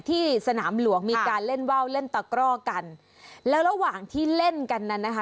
ที่สนามหลวงมีการเล่นว่าวเล่นตะกร่อกันแล้วระหว่างที่เล่นกันนั้นนะคะ